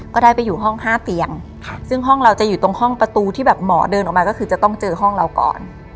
ก็ได้ไปอยู่ห้อง๕เตียงซึ่งห้องเราจะอยู่ตรงห้องประตูที่แบบหมอเดินออกมาก็คือจะต้องเจอห้องเราก่อน